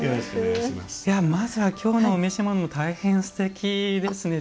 まずは、きょうのお召し物も大変すてきですね。